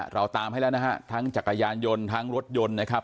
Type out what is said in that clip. เราตามให้แล้วนะฮะทั้งจักรยานยนต์ทั้งรถยนต์นะครับ